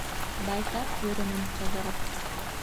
Байтаҡ йөрөнөм ҡыҙырып.